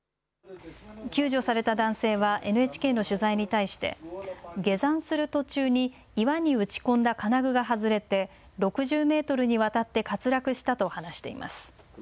救助された男性はＮＨＫの取材に対して下山する途中に岩に打ち込んだ金具が外れて６０メートルにわたって滑落したと話しています。